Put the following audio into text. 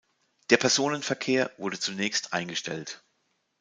Der Personenverkehr wurde zunächst eingestellt.